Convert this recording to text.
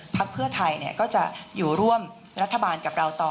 เพื่อไทยก็จะอยู่ร่วมรัฐบาลกับเราต่อ